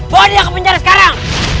boleh dia ke penjara sekarang